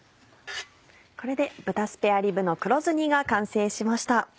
これで「豚スペアリブの黒酢煮」が完成しました。